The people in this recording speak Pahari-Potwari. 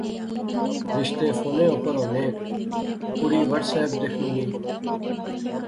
رشتے فونے اُپر ہونے کڑی واٹس ایپ دیکھنونی